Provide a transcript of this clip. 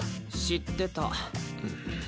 知ってた。